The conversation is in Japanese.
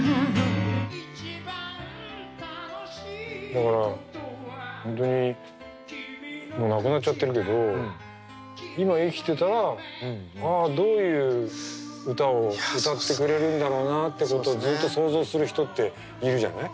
だから本当にもう亡くなっちゃってるけど今生きてたらどういう歌を歌ってくれるんだろうなってことをずっと想像する人っているじゃない？